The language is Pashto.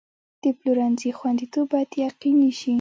د پلورنځي خوندیتوب باید یقیني شي.